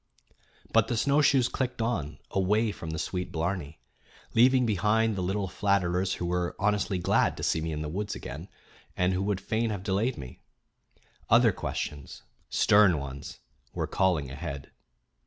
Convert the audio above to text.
But the snowshoes clicked on, away from the sweet blarney, Leaving behind the little flatterers who were honestly glad to see me in the woods again, and who would fain have delayed me. Other questions, stern ones, were calling ahead.